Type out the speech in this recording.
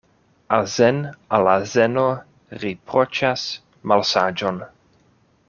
Azen' al azeno riproĉas malsaĝon.